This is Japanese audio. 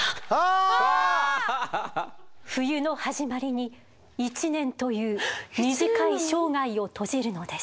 冬の始まりに１年という短い生涯を閉じるのです。